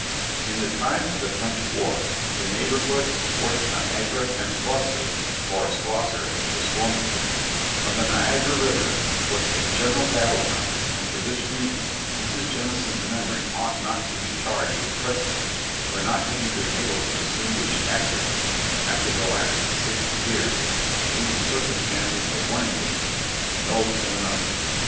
In the time of the French war, the neighborhood of Forts Niagara and Sclusser, (or Schlosser, as it was formerly written,) on the Niagara river, was a general battle ground, and for this reason, Mrs. Jemison's memory ought not to be charged with treachery, for not having been able to distinguish accurately, after the lapse of sixty years, between the circumstances of one engagement and those of another.